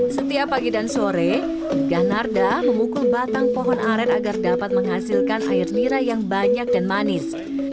setiap pagi dan sore ganarda memukul batang pohon aren agar dapat menghasilkan air nirai yang banyak dan manis